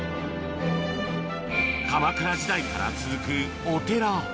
鎌倉時代から続くお寺